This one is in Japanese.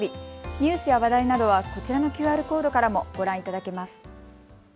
ニュースや話題などは、こちらのＱＲコードからもご覧いただけます。